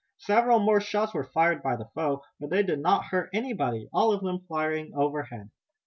Several more shots were fired by the foe, but they did not hurt anybody, all of them flying overhead.